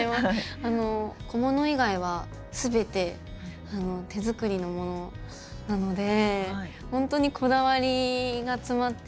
小物以外はすべて手作りのものなので本当にこだわりが詰まっていて。